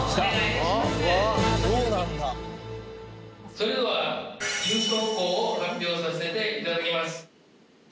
それでは優勝校を発表させて頂きます。